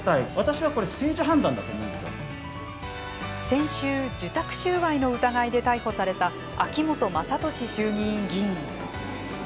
先週、受託収賄の疑いで逮捕された秋本真利衆議院議員。